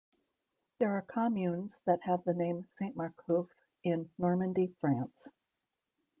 There are communes that have the name "Saint-Marcouf" in Normandy, France.